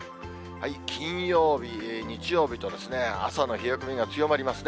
金曜日、日曜日と、朝の冷え込みが強まりますね。